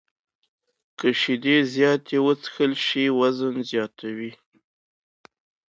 که شیدې زیاتې وڅښل شي، وزن زیاتوي.